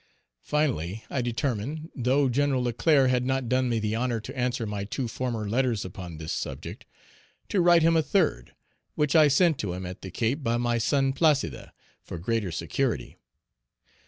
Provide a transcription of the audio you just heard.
Finally, I determined, though Gen. Leclerc had not done me the honor to answer my two former letters upon this subject, to write him a third, which I sent to him at the Cape by my son Placide, for greater security.